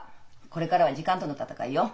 これからは時間との闘いよ。